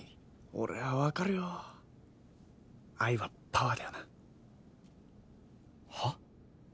俺は分かるよ愛はパワーだよなはっ？